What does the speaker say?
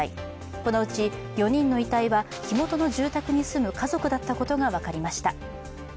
このうち４人の遺体は、火元の住宅に住む家族だったことが分かりました。